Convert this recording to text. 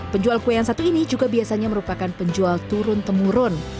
penjual kue yang satu ini juga biasanya merupakan penjual turun temurun